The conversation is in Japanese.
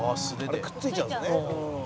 「あれくっついちゃうんですね」